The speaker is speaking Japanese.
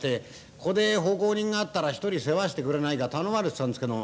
ここで奉公人があったら一人世話してくれないか頼まれてたんですけども。